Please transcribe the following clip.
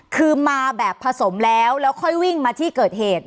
คือมาแบบผสมแล้วแล้วค่อยวิ่งมาที่เกิดเหตุ